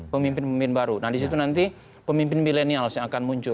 pemimpin pemimpin baru nah disitu nanti pemimpin milenials yang akan muncul